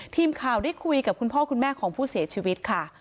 ทีมข่าวได้คุยกับคุณพ่อคุณแม่ของผู้เสียชีวิตค่ะ